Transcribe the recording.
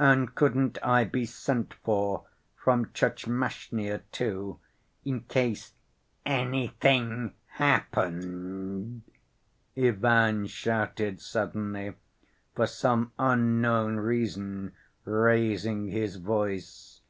"And couldn't I be sent for from Tchermashnya, too—in case anything happened?" Ivan shouted suddenly, for some unknown reason raising his voice.